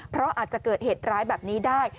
เพราะอาจจะเกิดเหตุร้ายแบบนี้ได้